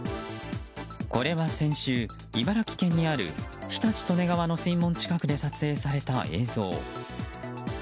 これは先週、茨城県にある常陸利根川の水門近くで撮影された映像。